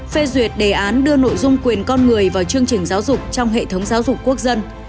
phê duyệt đề án đưa nội dung quyền con người vào chương trình giáo dục trong hệ thống giáo dục quốc dân